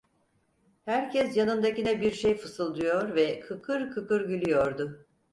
Herkes yanındakine bir şey fısıldıyor ve kıkır kıkır gülüyordu.